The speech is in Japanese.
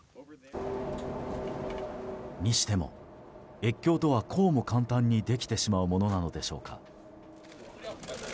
にしても、越境とはこうも簡単にできてしまうものなのでしょうか。